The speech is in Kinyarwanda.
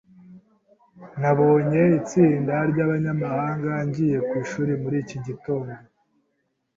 Nabonye itsinda ryabanyamahanga ngiye ku ishuri muri iki gitondo.